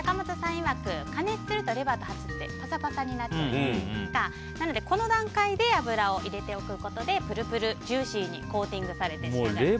いわく加熱するとレバーとハツってパサパサになっちゃうのでこの段階で油を入れておくことでプルプルジューシーにコーティングされて仕上がるそうですよ。